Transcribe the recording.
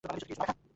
তিনি একজন বাঙালি।